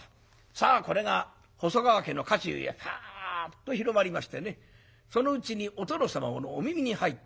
さあこれが細川家の家中へパッと広まりましてねそのうちにお殿様のお耳に入った。